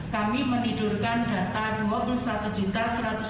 kami menidurkan data dua puluh satu juta